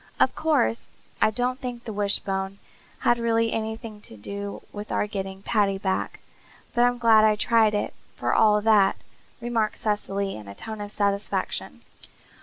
"Of course I don't think the wishbone had really anything to do with our getting Paddy back, but I'm glad I tried it, for all that," remarked Cecily in a tone of satisfaction.